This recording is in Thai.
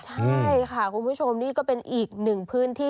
ใช่ค่ะคุณผู้ชมนี่ก็เป็นอีกหนึ่งพื้นที่